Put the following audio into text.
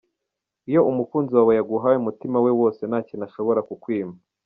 Iyo umukunzi wawe yaguhaye umutima we wose nta kintu ashobora kukwima.